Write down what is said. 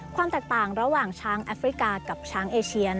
ความแตกต่างระหว่างช้างแอฟริกากับช้างเอเชียน